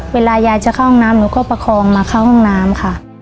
เวลายายจะเข้าห้องน้ำหนูก็ประคองมาเข้าห้องน้ำค่ะ